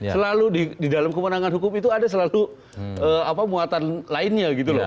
selalu di dalam kewenangan hukum itu ada selalu muatan lainnya gitu loh